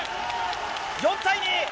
４対２！